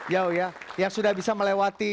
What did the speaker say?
jauh ya yang sudah bisa melewati